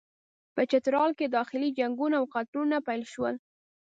په چترال کې داخلي جنګونه او قتلونه پیل شول.